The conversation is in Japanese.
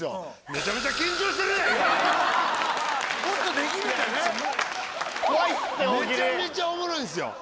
めちゃめちゃおもろいんすよ。